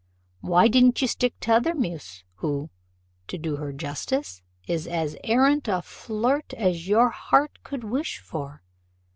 "Why didn't you stick to t'other muse, who, to do her justice, is as arrant a flirt as your heart could wish for?"